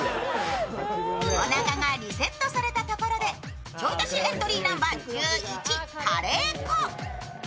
おなかがリセットされたところでちょい足しエントリーナンバー１１カレー粉。